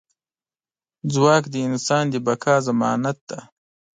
ځواک د انسان د بقا ضمانت دی.